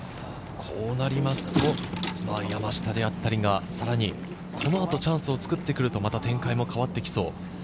こうなりますと山下であったり、さらにこのあとチャンスを作ってくると、また展開も変わってきそう。